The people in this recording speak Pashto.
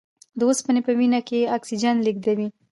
د اوسپنې په وینه کې اکسیجن لېږدوي.